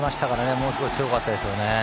ものすごい強かったです。